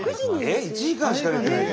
１時間しか寝てないの？